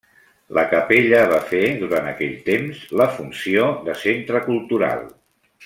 La capella va fer, durant aquell temps, la funció de centre cultural.